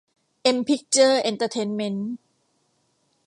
เอ็ม พิคเจอร์ส เอ็นเตอร์เทนเม้นท์